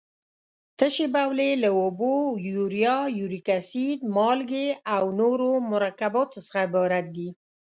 تشې بولې له اوبو، یوریا، یوریک اسید، مالګې او نورو مرکباتو څخه عبارت دي.